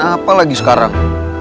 ih kenapa lagi sekarang